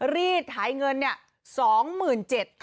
รีดหายเงินเนี่ยสองหมื่นเจ็ด